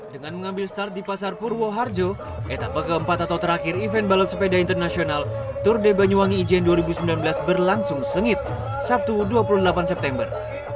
dengan mengambil start di pasar purwo harjo etapa keempat atau terakhir event balap sepeda internasional tour de banyuwangi ijen dua ribu sembilan belas berlangsung sengit sabtu dua puluh delapan september